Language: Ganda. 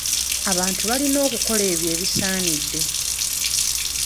Abantu balina okukola ebyo ebisaanidde.